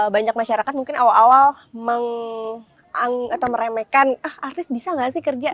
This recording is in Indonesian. banyak masyarakat mungkin awal awal atau meremehkan ah artis bisa nggak sih kerja